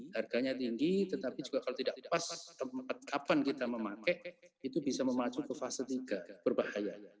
harganya tinggi tetapi juga kalau tidak pas tempat kapan kita memakai itu bisa memacu ke fase tiga berbahaya